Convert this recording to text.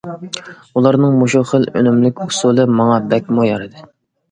ئۇلارنىڭ مۇشۇ خىل ئۈنۈملۈك ئۇسۇلى ماڭا بەكمۇ يارىدى.